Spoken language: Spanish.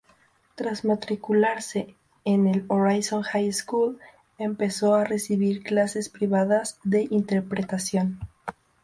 Tras matricularse en el Horizon High School, empezó a recibir clases privadas de interpretación.